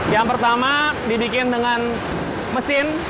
yang pertama dibikin dengan mesin